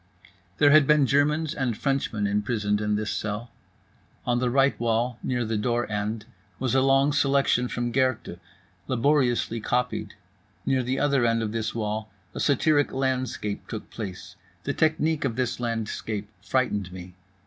There had been Germans and Frenchmen imprisoned in this cell. On the right wall, near the door end, was a long selection from Goethe, laboriously copied. Near the other end of this wall a satiric landscape took place. The technique of this landscape frightened me.